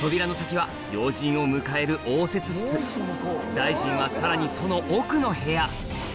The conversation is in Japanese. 大臣はさらにその奥の部屋